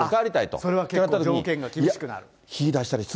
それは条件が厳しくなる。